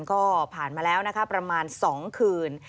ก็ผ่านมาแล้วนะคะประมาณ๒คืน